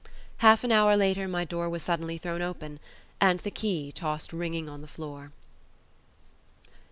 Half an hour later my door was suddenly thrown open, and the key tossed ringing on the floor.